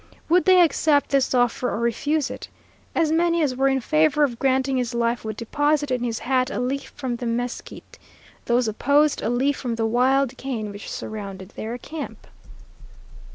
Would they accept this offer or refuse it? As many as were in favor of granting his life would deposit in his hat a leaf from the mesquite; those opposed, a leaf from the wild cane which surrounded their camp.